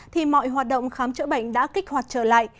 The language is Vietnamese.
thì mọi hoạt động khám chữa bệnh đã kích hoạt trở lại